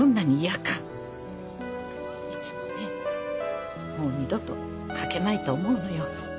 いつもねもう二度とかけまいと思うのよ。